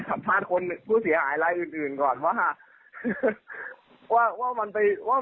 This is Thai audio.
สัมภาษณ์คนผู้เสียหายรายอื่นอื่นก่อนว่าว่ามันไปว่า